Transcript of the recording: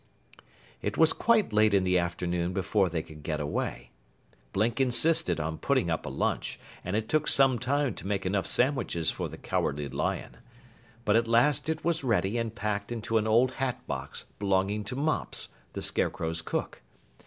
It was quite late in the afternoon before they could get away. Blink insisted on putting up a lunch, and it took some time to make enough sandwiches for the Cowardly Lion. But at last it was ready and packed into an old hat box belonging to Mops, the Scarecrow's cook.